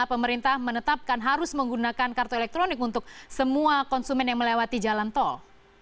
pemerintah menetapkan harus menggunakan kartu elektronik untuk semua konsumen yang melewati jalan tol